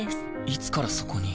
いつからそこに？